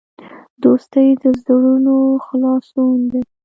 دوستي د زړونو خلاصون دی.